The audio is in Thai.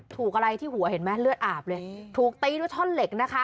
ถูกอะไรที่หัวเห็นไหมเลือดอาบเลยถูกตีด้วยท่อนเหล็กนะคะ